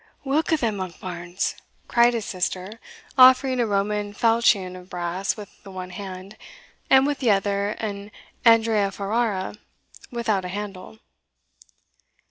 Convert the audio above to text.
"Whilk o' them, Monkbarns?" cried his sister, offering a Roman falchion of brass with the one hand, and with the other an Andrea Ferrara without a handle.